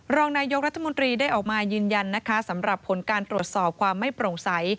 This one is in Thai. รองนายกรัฐมนตรีได้ออกมายืนยันนะคะสำหรับผลการตรวจสอบความไม่โปร่งใส